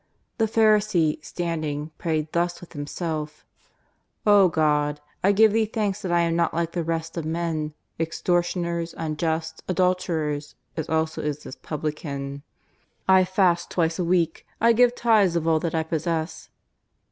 The Pharisee, standing, prayed thus with himself :^ O God, I give Thee thanks that I am not like the rest of men, extor tioners, unjust, adulterers, as also is this publican. I fast twice in a week, I give tithes of all that I possess.'